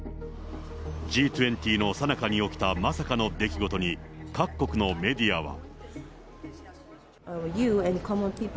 Ｇ２０のさなかに起きたまさかの出来事に、各国のメディアは。